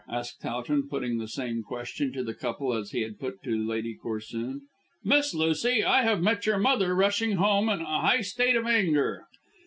asked Towton, putting the same question to the couple as he had put to Lady Corsoon. "Miss Lucy, I have met your mother rushing home in a high state of anger."